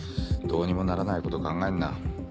どうにもならないこと考えんな。